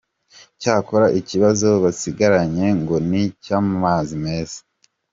Cyakora ikibazo basigaranye ngo ni icy’amazi meza.